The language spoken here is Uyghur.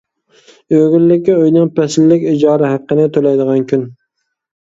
ئۆگۈنلۈككە ئۆينىڭ پەسىللىك ئىجارە ھەققىنى تۆلەيدىغان كۈن.